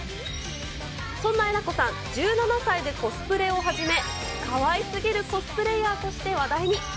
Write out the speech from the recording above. そんなえなこさん、１７歳でコスプレを始め、かわいすぎるコスプレーヤーとして話題に。